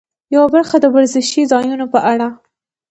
یوه برخه د وزرشي ځایونو په اړه.